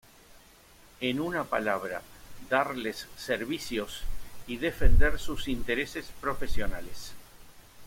En una palabra, darles servicios y defender sus intereses profesionales.